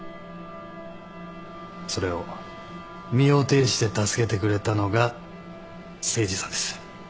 それを身をていして助けてくれたのが誠司さんです。